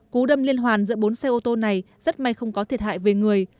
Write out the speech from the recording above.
cú đâm liên hoàn giữa bốn xe ô tô này rất may không có thiệt hại về người